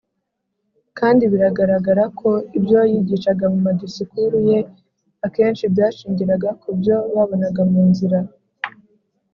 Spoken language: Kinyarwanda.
kandi biragaragara ko ibyo yigishaga mu madisikuru ye akenshi byashingiraga ku byo babonaga mu nzira.